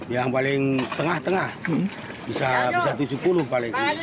yang paling tengah tengah bisa tujuh puluh paling